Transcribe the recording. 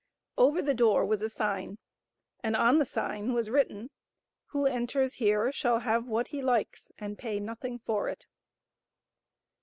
Over the door was a sign, and on the sign was written, "WHO ENTERS HERE SHALL HAVE WHAT HE LIKES AND PAY NOTHING FOR IT."